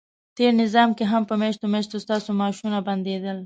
تېر نظام کې هم په میاشتو میاشتو ستاسو معاشونه بندیدل،